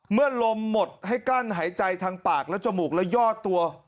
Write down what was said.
ลมหมดให้กลั้นหายใจทางปากและจมูกและยอดตัว